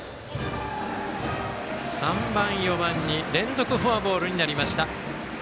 ３番、４番に連続フォアボールになりました。